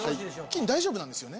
金大丈夫なんですよね？